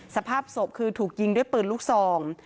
สภาพศพคือถูกยิงด้วยปืนลูกซอง